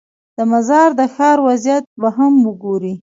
د مزار د ښار وضعیت به هم وګورې.